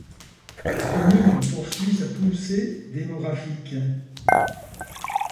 La commune poursuit sa poussée démographique.